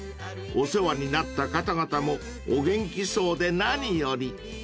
［お世話になった方々もお元気そうで何より］